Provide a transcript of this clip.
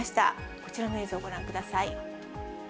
こちらの映像、ご覧ください。